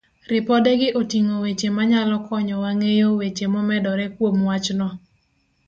Ripodegi oting'o weche manyalo konyowa ng'eyo weche momedore kuom wachno.